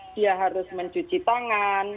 dia harus mencuci tangan